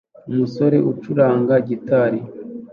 Umusore ucuranga gitari